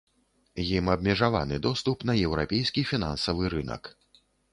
Ім абмежаваны доступ на еўрапейскі фінансавы рынак.